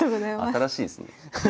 新しいですね。